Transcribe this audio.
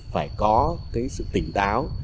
phải có sự tỉnh táo